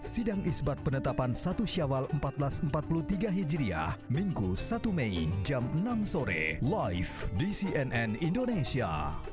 sidang isbat penetapan satu syawal seribu empat ratus empat puluh tiga hijriah minggu satu mei jam enam sore live di cnn indonesia